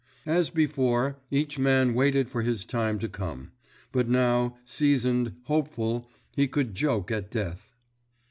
As before, each man waited for his time to come; but now, seasoned, hopeful, he could joke at death.